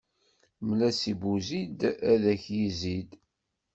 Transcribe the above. Mel-as i buzid ad ak-izid.